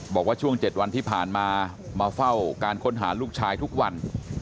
บอกว่าช่วง๗วันที่ผ่านมามาเฝ้าการค้นหาลูกชายทุกวัน